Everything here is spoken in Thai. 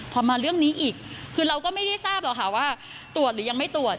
พอมาเรื่องนี้อีกคือเราก็ไม่ได้ทราบหรอกค่ะว่าตรวจหรือยังไม่ตรวจ